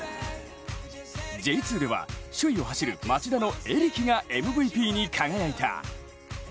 Ｊ２では首位を走る町田のエリキがＭＶＰに輝いた。